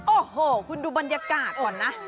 โอ้โหคุณดูบรรยากาศก่อนนะ